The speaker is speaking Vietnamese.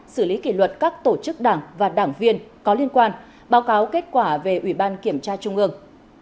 xử lý kỷ luật các tổ chức đảng và đảng viên có liên quan báo cáo kết quả về ủy ban kiểm tra trung ương